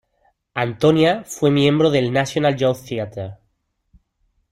Antonia fue miembro del "National Youth Theatre".